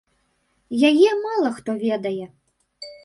Яе мала хто ведае.